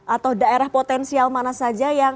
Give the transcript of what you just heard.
atau daerah potensial mana saja yang